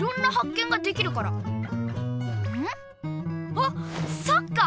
あっそっか！